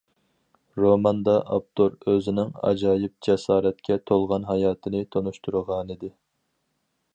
روماندا ئاپتور ئۆزىنىڭ ئاجايىپ جاسارەتكە تولغان ھاياتىنى تونۇشتۇرغانىدى.